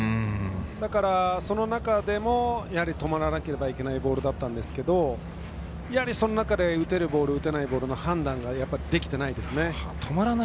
だから、その中でもやはり止まらなければいけないボールだったんですけれどもその中で打てないボールの判断ができていないですね。